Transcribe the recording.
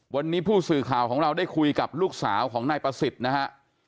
วันนี้ผู้สื่อข่าวของเราได้คุยกับลูกสาวของนายประสิทธิ์นะฮะ